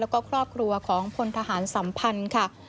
แล้วก็ครอบครัวของพลทหารสัมพันธ์ค่ะ